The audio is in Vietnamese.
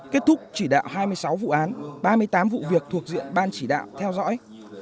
kết thúc chỉ đạo hai mươi sáu vụ án ba mươi tám vụ việc thuộc diện ban chỉ đạo theo dõi